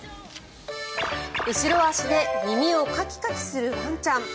後ろ足で耳をカキカキするワンちゃん。